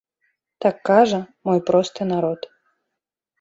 Так кажа мой просты народ.